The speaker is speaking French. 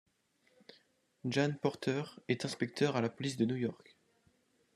Jane Porter est inspecteur à la police de New York.